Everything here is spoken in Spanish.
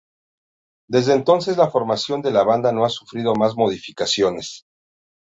Desde entonces la formación de la banda no ha sufrido más modificaciones.